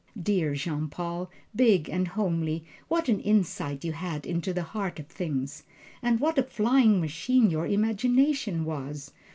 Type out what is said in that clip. Dear Jean Paul, big and homely, what an insight you had into the heart of things, and what a flying machine your imagination was!